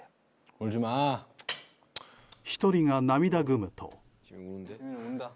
１人が涙ぐむと。